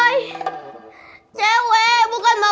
iya preconerel pengaruh aku